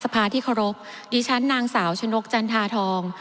สวัสดีครบดิฉันนางสาวชนกจันทราทอง